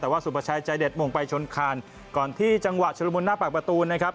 แต่ว่าสุภาชัยใจเด็ดมงไปชนคานก่อนที่จังหวะชุดละมุนหน้าปากประตูนะครับ